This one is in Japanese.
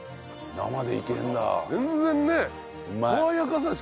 生でいけるんだ。